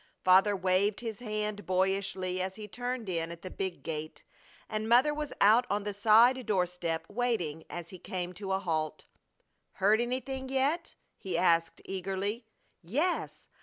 Father waved his hand boyishly as he turned in at the big gate, and Mother was out on the side door step waiting as he came to a halt. "Heard anything yet?" he asked, eagerly. "Yes.